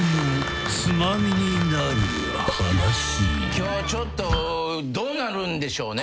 今日ちょっとどうなるんでしょうね！？